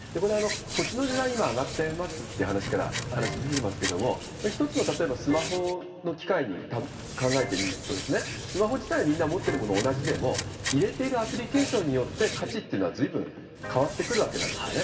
土地の値段が上がっていますという話が出ていますが１つのスマホの機械で考えてみるとスマホ自体みんな持っているものは同じでも入れているアプリケーションによって価値というのは、随分変わってくるわけなんですよね。